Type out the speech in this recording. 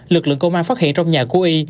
lực lượng công an phát hiện trong nhà của y